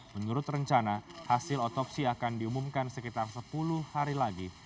menurut rencana hasil otopsi akan diumumkan sekitar sepuluh hari lagi